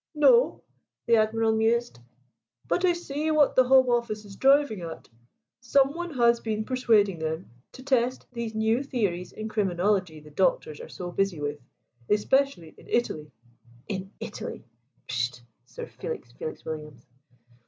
"No," the Admiral mused; "but I see what the Home Office is driving at. Someone has been persuading them to test these new theories in criminology the doctors are so busy with, especially in Italy." "In Italy!" pish'd Sir Felix Felix Williams.